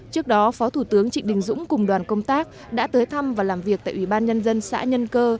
trước đó phó thủ tướng trịnh đình dũng cùng đoàn công tác đã tới thăm và làm việc tại ủy ban nhân dân xã nhân cơ